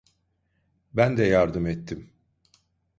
Ben de yardım ettim.